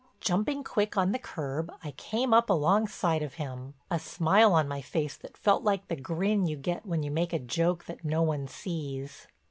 Jumping quick on the curb I came up alongside of him, a smile on my face that felt like the grin you get when you make a joke that no one sees.